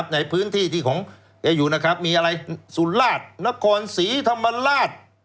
ในพื้นที่ที่ของแกอยู่นะครับมีอะไรสุราชนครศรีธรรมราช